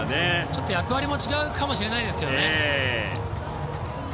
ちょっと役割も違うかもしれませんけどね。